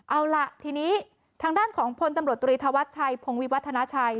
เอาล่ะทีนี้ทางด้านของพลตำรวจตรีธวัชชัยพงวิวัฒนาชัย